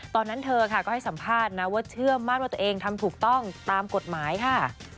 ตอนนั้นเธอค่ะก็ให้สัมภาษณ์นะว่าเชื่อมั่นว่าตัวเองทำถูกต้องตามกฎหมายค่ะ